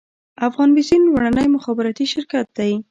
افغان بیسیم لومړنی مخابراتي شرکت دی